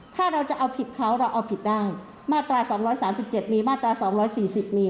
ถ้าเราจะเอาผิดเขาเราเอาผิดได้มาตรา๒๓๗มีมาตรา๒๔๐มี